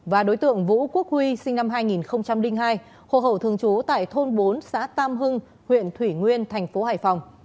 và đối tượng vũ quốc huy sinh năm hai nghìn hai hộ hậu thường trú tại thôn bốn xã tam hưng huyện thủy nguyên tp hải phòng